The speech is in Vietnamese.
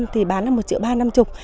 thì bán là một triệu ba trăm năm mươi